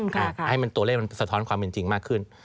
ให้มันตัวเลขมันสะท้อนความเป็นจริงมากขึ้น